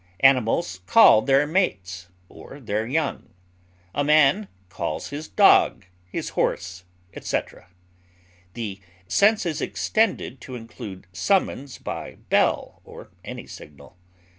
Animals call their mates, or their young; a man calls his dog, his horse, etc. The sense is extended to include summons by bell, or any signal.